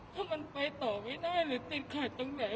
ถ้ามันไปต่อไม่ได้หรือติดขัดตรงไหน